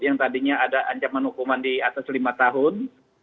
yang tadinya ada ancaman hukuman di atas lima tahun